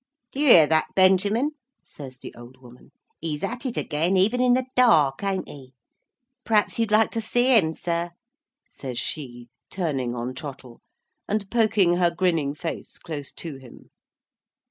"Do you hear that, Benjamin?" says the old woman. "He's at it again, even in the dark, ain't he? P'raps you'd like to see him, sir!" says she, turning on Trottle, and poking her grinning face close to him.